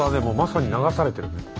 もうまさに流されてるね。